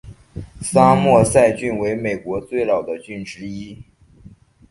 桑莫塞郡为美国最老的郡之一。